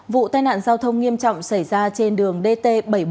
vụ tai nạn giao thông nghiêm trọng xảy ra trên đường dt bảy trăm bốn mươi một